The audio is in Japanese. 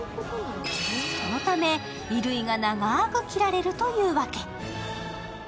そのため、衣類が長く着られるというわけ。